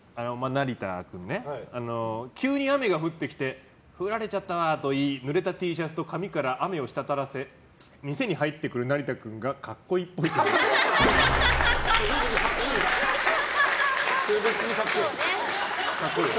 成田君、急に雨が降ってきて降られちゃったわと言いぬれたＴシャツと髪から雨をしたたらせ店に入ってくる成田君がそれは別に格好いい。